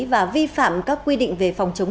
và vi phạm các quy định về phòng chống